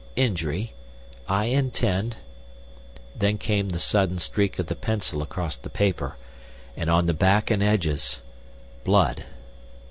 injury. I intend—" Then came the sudden streak of the pencil across the paper, and on the back and edges—blood!